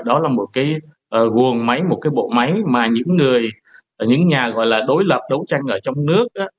đó là một cái nguồn máy một cái bộ máy mà những người những nhà gọi là đối lập đấu tranh ở trong nước